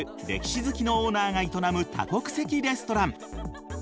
歴史好きのオーナーが営む多国籍レストラン。